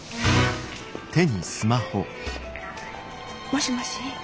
もしもし